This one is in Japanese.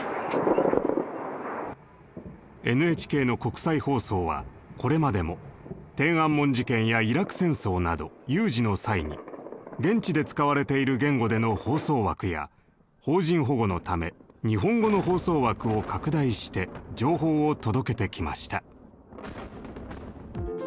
ＮＨＫの国際放送はこれまでも天安門事件やイラク戦争など有事の際に現地で使われている言語での放送枠や邦人保護のため日本語の放送枠を拡大して情報を届けてきました。